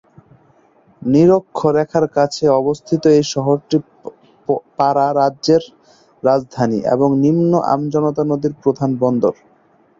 নিরক্ষরেখার কাছে অবস্থিত এই শহরটি পারা রাজ্যের রাজধানী, এবং নিম্ন আমাজন নদীর প্রধান বন্দর।